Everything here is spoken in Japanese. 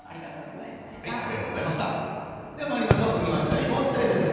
続いて「いまオシ！ＬＩＶＥ」です。